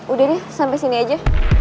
udah deh sampai sini aja